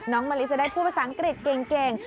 มะลิจะได้พูดภาษาอังกฤษเก่ง